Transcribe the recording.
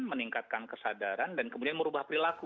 meningkatkan kesadaran dan kemudian merubah perilaku